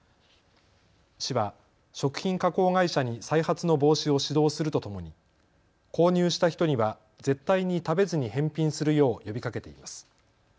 市は食品加工会社に再発の防止を指導するとともに購入した人には絶対に食べずに返品するよう呼びかけています。